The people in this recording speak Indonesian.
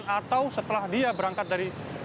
atau setelah dia berangkat dari